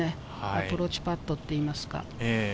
アプローチパットといいますか。